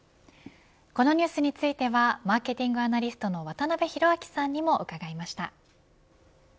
このニュースについてはマーケティングアナリストの渡辺広明さんにも伺いました。